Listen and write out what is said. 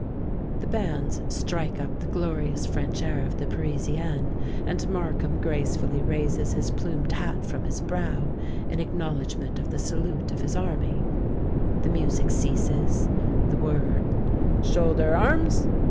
The bands strike up the glorious French air of the Parisienne; and Markham gracefully raises his plumed hat from his brow, in acknowledgment of the salute of his army. The music ceases—the word, "Shoulder arms!"